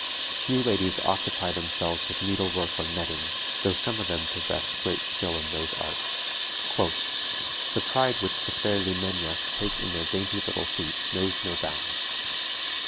Few ladies occupy themselves with needlework or netting, though some of them possess great skill in those arts. "The pride which the fair Limeñas take in their dainty little feet knows no bounds.